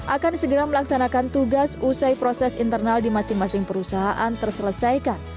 akan segera melaksanakan tugas usai proses internal di masing masing perusahaan terselesaikan